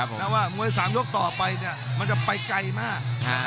เพราะว่ามวย๓ยกต่อไปมันจะไปไกลมาก